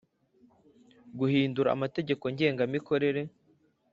Guhindura amategeko ngengamikorere